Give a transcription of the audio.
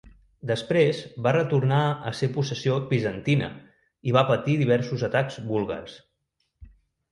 Després va retornar a ser possessió bizantina i va patir diversos atacs búlgars.